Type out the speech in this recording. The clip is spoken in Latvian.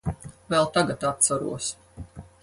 Vēl tagad atceros.